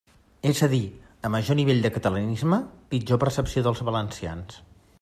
És a dir, a major nivell de catalanisme, pitjor percepció dels valencians.